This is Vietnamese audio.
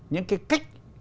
những cái cách